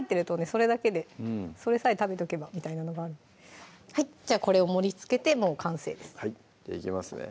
それだけでそれさえ食べとけばみたいなのがあるはいじゃあこれを盛りつけてもう完成ですいきますね